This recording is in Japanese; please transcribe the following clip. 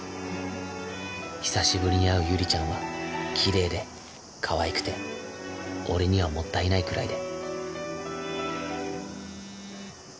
久しぶりに会うゆりちゃんはきれいでかわいくて俺にはもったいないくらいで